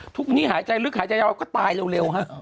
ทุกวันนี้หายใจลึกหายใจยาวก็ตายเร็วฮะ